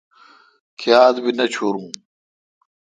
کیا تہ۔ بھی نہ چھورون۔